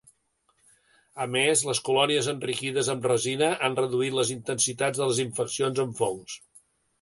A més, les colònies enriquides amb resina han reduït les intensitats de les infeccions amb fongs.